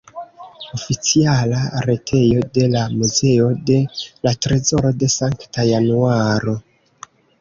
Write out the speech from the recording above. Oficiala retejo de la Muzeo de la trezoro de Sankta Januaro.